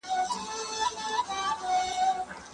سرمایه باید له حلالې لاري ترلاسه سي.